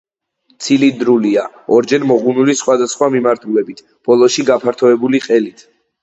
ცილინდრულია, ორჯერ მოღუნული სხვადასხვა მიმართულებით, ბოლოში გაფართოებული ყელით.